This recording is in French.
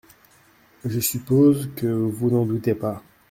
Je suppose que vous n’en doutez pas.